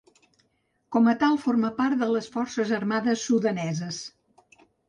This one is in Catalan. Com a tal, forma part de les Forces Armades Sudaneses.